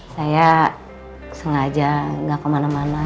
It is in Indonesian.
saya sengaja gak kemana mana